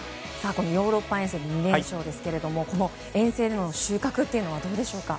ヨーロッパ遠征２連勝ですがこの遠征での収穫はどうでしょうか？